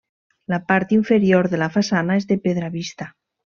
La part inferior de la façana és de pedra vista.